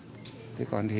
gia đình rất phấn khởi